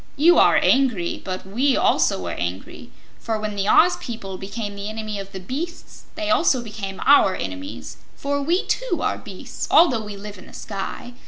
You are angry, but we also were angry, for when the Oz people became the enemies of the beasts they also became our enemies; for we, too, are beasts, although we live in the sky.